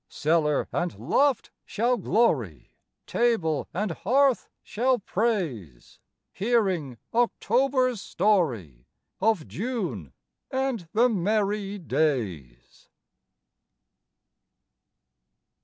Cellar and loft shall glory, Table and hearth shall praise, Hearing October's story Of June and the merry days.